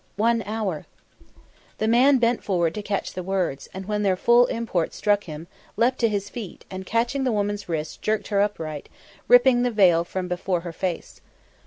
"One hour!" The man bent forward to catch the words, and when their full import struck him, leapt to his feet and catching the woman's wrist jerked her upright, ripping the veil from before her face.